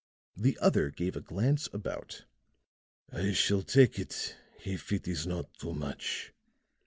The other gave a glance about. "I shall take it if it is not too much."